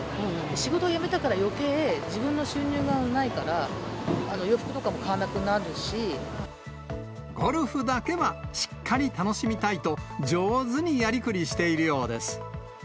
仕事を辞めたから、よけい、自分の収入がないから、洋服とかゴルフだけはしっかり楽しみたいと、上手にやりくりしているようです。